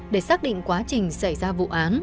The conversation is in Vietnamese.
để xác định quá trình xảy ra vụ án